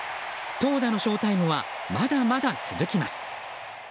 投打のショータイムはまだまだ続きます。